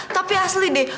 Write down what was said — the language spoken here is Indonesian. tapi asli deh